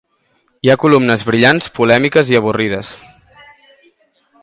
Hi ha columnes brillants, polèmiques i avorrides.